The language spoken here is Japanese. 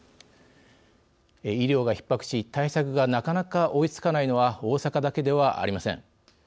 医療がひっ迫し対策がなかなか追いつかないのは大阪だけではありません。